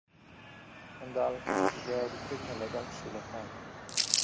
منداڵەکە حەزی لە یاریکردنە لەگەڵ پشیلەکان.